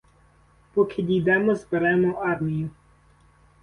Поки дійдемо, зберемо армію.